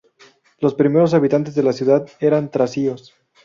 Los primeros habitantes de la ciudad eran tracios.